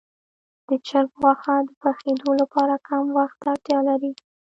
د چرګ غوښه د پخېدو لپاره کم وخت ته اړتیا لري.